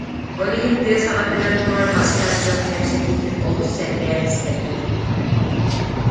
Ол иһин тыа саҕатыгар турар мастар дьон кэпсэтиитин олус сэргээн истэргэ дылылар